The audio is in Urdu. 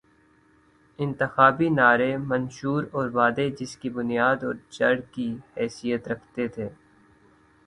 انتخابی نعرے، منشور اور وعدے، جس کی بنیاداور جڑ کی حیثیت رکھتے تھے۔